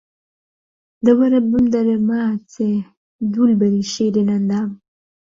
دە وەرە بمدەرێ ماچێ، دولبەری شیرین ئەندام